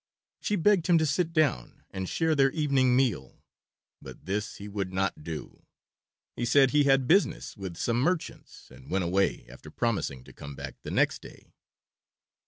She begged him to sit down and share their evening meal, but this he would not do. He said he had business with some merchants, and went away, after promising to come back the next day.